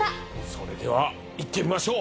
それでは行ってみましょう。